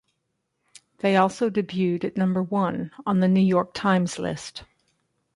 They also debuted at number one on "The New York Times" list.